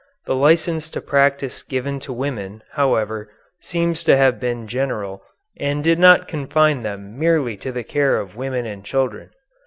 The license to practise given to women, however, seems to have been general and did not confine them merely to the care of women and children.